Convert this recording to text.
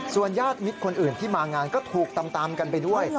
ญาติมิตรคนอื่นที่มางานก็ถูกตามกันไปด้วย